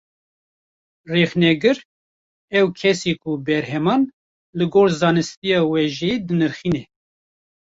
Rexnegir, ew kes e ku berheman, li gor zanistiya wêjeyî dinirxîne